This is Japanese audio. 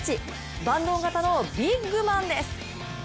万能型のビッグマンです。